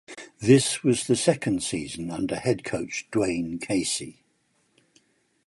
This was the second season under head coach Dwane Casey.